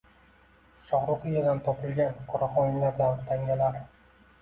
Shohruxiyadan topilgan qoraxoniylar davri tangalari